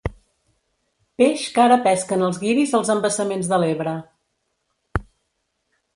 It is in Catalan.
Peix que ara pesquen els guiris als embassaments de l'Ebre.